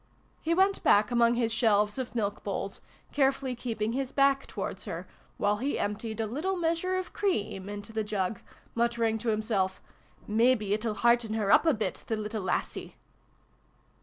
He went back among his shelves of milk bowls, carefully keep ing his back towards her while he emptied a little measure of cream into the jug, muttering to himself "mebbe it'll hearten her up a bit, the little lassie